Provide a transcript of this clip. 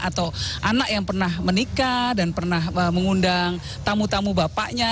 atau anak yang pernah menikah dan pernah mengundang tamu tamu bapaknya